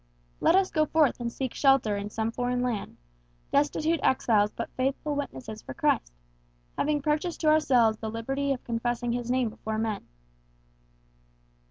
Let us go forth and seek shelter in some foreign land, destitute exiles but faithful witnesses for Christ, having purchased to ourselves the liberty of confessing his name before men."